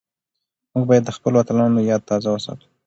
موږ بايد د خپلو اتلانو ياد تازه وساتو.